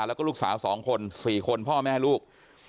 แล้วก็ลูกสาว๒คน๔คนพ่อแม่ลูก